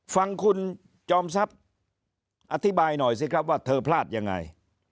ฟังคุณจอมทรัพย์อธิบายหน่อยสิครับว่าเธอพลาดยังไง